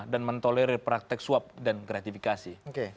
dan men tolerir praktek swab dan gratifikasi